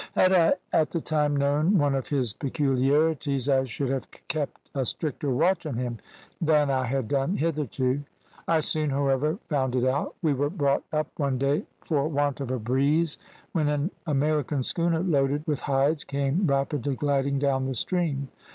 "Had I at the time known one of his peculiarities I should have kept a stricter watch on him that I had done hitherto. I soon, however, found it out. We were brought up one day for want of a breeze, when an American schooner loaded with hides came rapidly gliding down the stream.